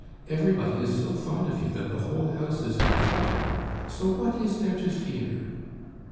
Everybody is so fond of you that the whole house is in a flutter. So what is there to fear?"